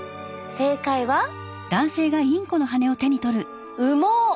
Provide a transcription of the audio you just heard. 正解は羽毛。